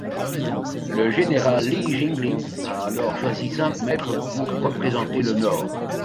Le général Li Jinglin a alors choisi cinq maitres pour représenter le nord.